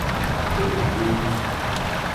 Entre Rios do Sul